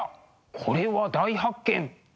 これは大発見。